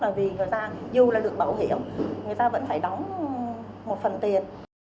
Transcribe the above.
là vì người ta dù là được bảo hiểm người ta vẫn phải đóng một phần tiền